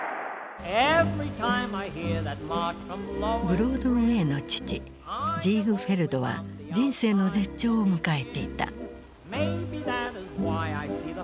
ブロードウェイの父ジーグフェルドは人生の絶頂を迎えていた。